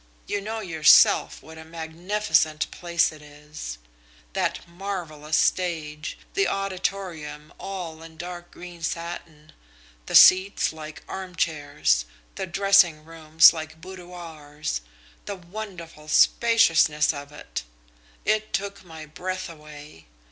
You know yourself what a magnificent place it is that marvellous stage, the auditorium all in dark green satin, the seats like armchairs, the dressing rooms like boudoirs the wonderful spaciousness of it! It took my breath away.